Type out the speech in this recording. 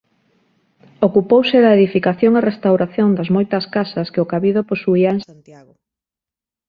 Ocupouse da edificación e restauración das moitas casas que o cabido posuía en Santiago.